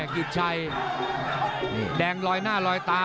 กิจชัยแดงลอยหน้าลอยตา